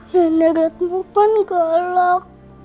nenek redmu kan galak